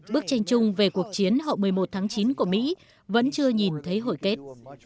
bức tranh chung về cuộc chiến hậu một mươi một tháng chín của mỹ vẫn chưa nhìn thấy hội kết